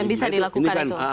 dan bisa dilakukan itu